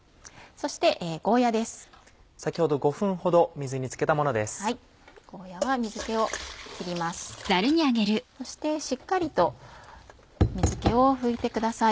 そしてしっかりと水気を拭いてください。